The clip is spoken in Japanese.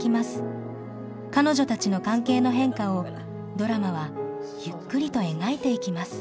彼女たちの関係の変化をドラマはゆっくりと描いていきます。